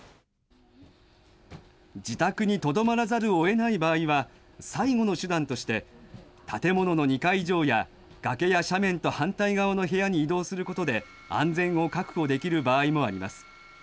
自宅にとどまらざるをえない場合は最後の手段として建物の２階以上や崖や斜面と反対側の部屋に移動することで安全を確保できる場合もあります。